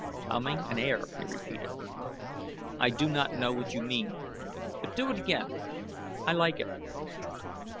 "'Humming an air,'" he repeated. "I do not know what you mean; but do it again, I like it."